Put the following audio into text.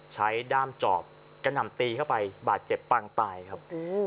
ด้ามจอบกระหน่ำตีเข้าไปบาดเจ็บปังตายครับ